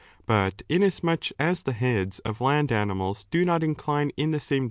But inasmuch as the heads of land animals do not incline in the same direction as 'Cf.